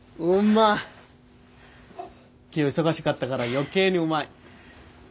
今日忙しかったから余計にうまい。